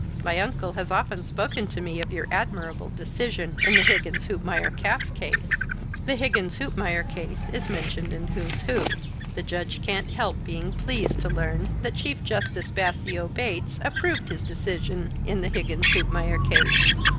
My uncle has often spoken to me of your admirable decision in the Higgins Hoopmeyer calf case." The Higgins Hoopmeyer case is mentioned in "Who's Who." The Judge can't help being pleased to learn that Chief Justice Bassio Bates approved of his decision in the Higgins Hoopmeyer case.